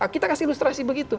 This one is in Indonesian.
kita kasih ilustrasi begitu